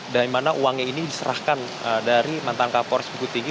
dari mana uangnya ini diserahkan dari mantan kapolres buku tinggi